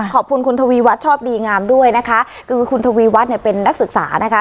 ขอบคุณคุณทวีวัฒน์ชอบดีงามด้วยนะคะคือคุณทวีวัฒน์เนี่ยเป็นนักศึกษานะคะ